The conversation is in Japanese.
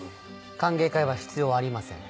歓迎会は必要ありません。